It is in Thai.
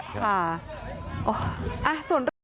ค่ะโอ้ส่วนเรื่องที่สุด